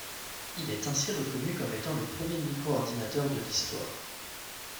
Il est ainsi reconnu comme étant le premier micro-ordinateur de l'histoire.